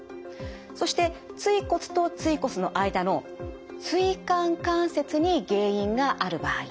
そして椎骨と椎骨の間の椎間関節に原因がある場合。